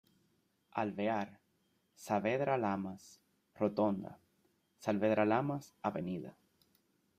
Alvear; Saavedra Lamas; Rotonda; Saavedra Lamas; Av.